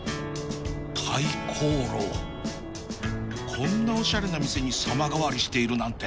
こんなおしゃれな店に様変わりしているなんて